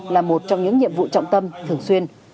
là một trong những nhiệm vụ trọng tâm thường xuyên